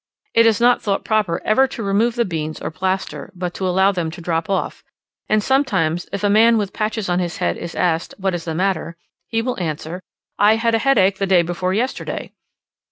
It is not thought proper ever to remove the beans or plaster, but to allow them to drop off, and sometimes, if a man, with patches on his head, is asked, what is the matter? he will answer, "I had a headache the day before yesterday."